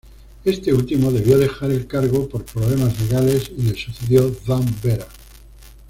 Este último debió dejar el cargo por problemas legales y le sucedió Dan Vera.